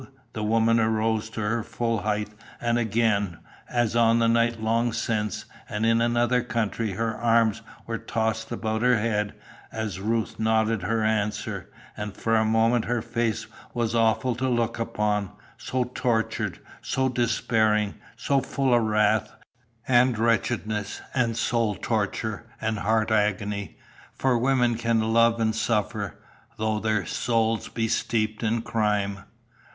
The woman arose to her full height and again, as on a night long since, and in another country, her arms were tossed above her head, as Ruth nodded her answer, and for a moment her face was awful to look upon, so tortured, so despairing, so full of wrath and wretchedness and soul torture and heart agony, for women can love and suffer, though their souls be steeped in crime.